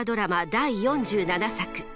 第４７作。